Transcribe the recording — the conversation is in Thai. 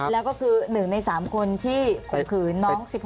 แล้วก็คือหนึ่งในสามคนที่ข่มขืนน้อง๑๖